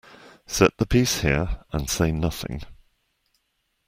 Set the piece here and say nothing.